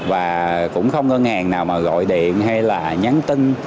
và cũng không ngân hàng nào mà gọi điện hay là nhắn tin